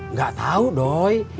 enggak tau doi